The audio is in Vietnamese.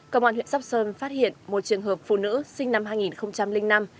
công an huyện sóc sơn phát hiện một trường hợp phụ nữ sinh năm hai nghìn năm